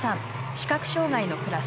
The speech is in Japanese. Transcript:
視覚障がいのクラス。